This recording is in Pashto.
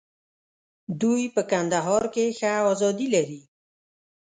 دوی په کندهار کې ښه آزادي لري.